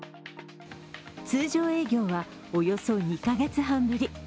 通常営業は、およそ２カ月半ぶり。